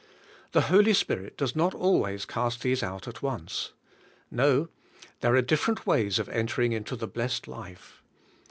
The Holy Spirit does not always cast these out at once. No. There are different ways of entering into the blessed life.